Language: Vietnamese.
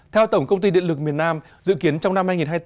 theo tổng công ty điện lực miền nam dự kiến trong năm hai nghìn hai mươi bốn